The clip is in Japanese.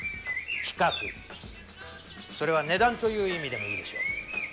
規格それは値段という意味でもいいでしょう。